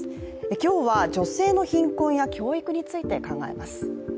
今日は女性の貧困や教育について考えます。